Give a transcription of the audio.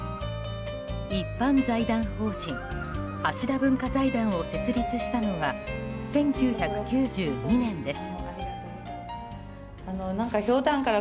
一般財団法人橋田文化財団を設立したのは１９９２年です。